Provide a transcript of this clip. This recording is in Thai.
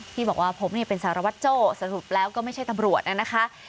ที่บอกว่าผมเป็นสารวัตรโจ้สรุปแล้วก็ไม่ใช่ตำรวจนะคะ